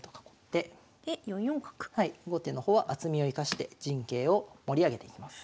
後手の方は厚みを生かして陣形を盛り上げていきます。